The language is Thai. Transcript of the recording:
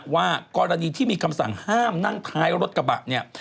ว่ากรณีที่มีคำสั่งห้ามนั่งท้ายรถกระบะเนี่ย